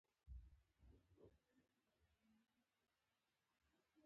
عناب د فراه نښه ده.